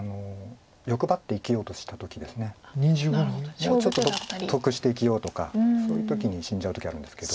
もうちょっと得して生きようとかそういう時に死んじゃう時あるんですけど。